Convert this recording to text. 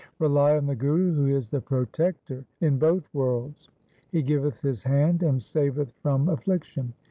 Rely on the Guru who is the protector in both worlds. He giveth his hand and saveth from affliction.